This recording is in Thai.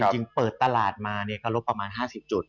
จริงเปิดตลาดมาเนี่ยก็ลบประมาณ๕๐จุด